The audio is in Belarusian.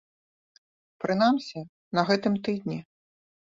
Прынамсі, на гэтым тыдні.